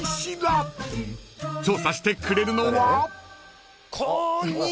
［調査してくれるのは？］